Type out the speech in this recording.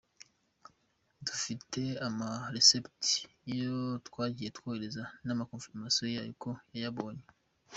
Dufite ama receipts y'ayo twagiye twohereza n'ama confirmations yayo ko yayabonye.